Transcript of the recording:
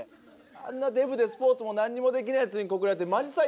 あんなデブでスポーツも何にもできないやつに告られてマジ最低だったんだけど。